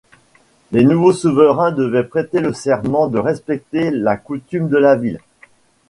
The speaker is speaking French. Les nouveaux souverains devaient prêter le serment de respecter la coutume de la ville.